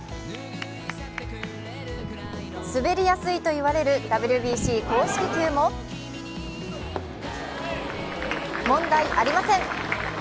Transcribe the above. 滑りやすいといわれるＷＢＣ公式球も問題ありません。